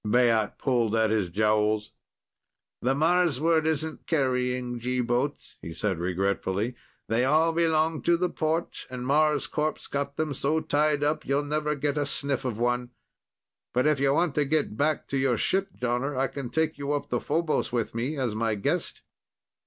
Baat pulled at his jowls. "The Marsward isn't carrying G boats," he said regretfully. "They all belong to the port, and Marscorp's got them so tied up you'll never get a sniff of one. But if you want to get back to your ship, Jonner, I can take you up to Phobos with me, as my guest."